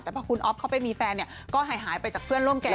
แต่พอคุณอ๊อฟเขาไปมีแฟนเนี่ยก็หายไปจากเพื่อนร่วมแก่